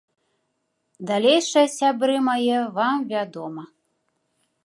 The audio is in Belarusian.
Далейшае, сябры мае, вам вядома.